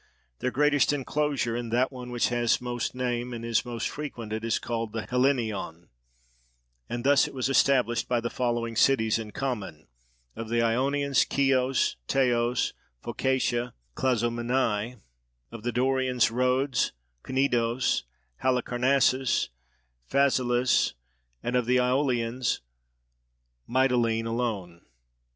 Their greatest enclosure and that one which has most name and is most frequented is called the Hellenion, and this was established by the following cities in common: of the Ionians Chios, Teos, Phocaia, Clazomenai, of the Dorians Rhodes, Cnidos, Halicarnassos, Phaselis, and of the Aiolians Mytilene alone.